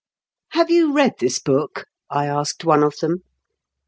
253 " Have you read this book ?" I asked one of them.